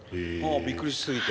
びっくりし過ぎて？